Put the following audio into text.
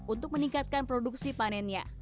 untuk meningkatkan produksi panennya